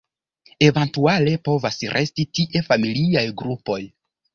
Eventuale povas resti tie familiaj grupoj.